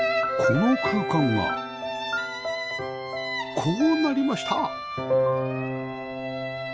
この空間がこうなりました